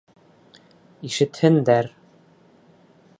Ишетһендәр!